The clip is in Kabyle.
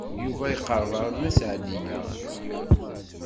Yuba iqerreb ar Nna Seɛdiya.